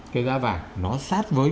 cái giá vàng nó sát với